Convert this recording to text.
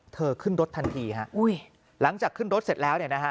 เธอขึ้นรถทันทีหลังจากขึ้นรถเสร็จแล้ว